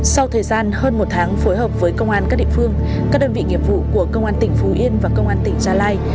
sau thời gian hơn một tháng phối hợp với công an các địa phương các đơn vị nghiệp vụ của công an tỉnh phú yên và công an tỉnh gia lai